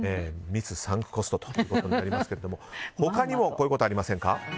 ミスサンクコストということになりますが他にもこういうことありませんか。